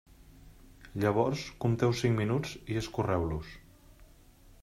Llavors compteu cinc minuts i escorreu-los.